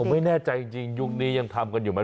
ไม่แน่ใจจริงยุคนี้ยังทำกันอยู่ไหม